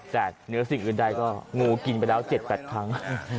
แต่เนื้อสิ่งอื่นใดก็งูกินไปแล้ว๗๘ครั้ง